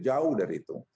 jauh dari itu